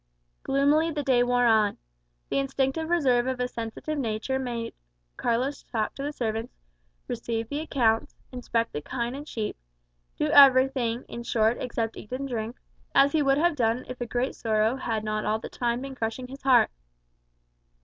Gloomily the day wore on. The instinctive reserve of a sensitive nature made Carlos talk to the servants, receive the accounts, inspect the kine and sheep do everything, in short, except eat and drink as he would have done if a great sorrow had not all the time been crushing his heart.